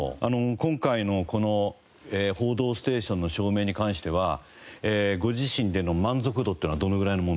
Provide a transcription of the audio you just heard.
今回のこの『報道ステーション』の照明に関してはご自身での満足度っていうのはどのぐらいのもんですか？